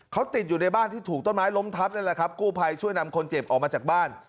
เขาติดอยู่ในบ้านที่ถูกต้นไม้ล้มทับนั่นแหละครับกู้ภัยช่วยนำคนเจ็บออกมาจากบ้าน